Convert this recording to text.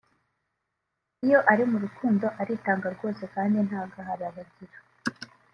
iyo ari mu rukundo aritanga rwose kandi ntagahararo agira